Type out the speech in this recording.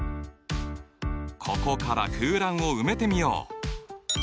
ここから空欄を埋めてみよう。